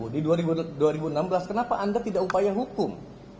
di dua ribu enam belas kenapa anda tidak upaya hukum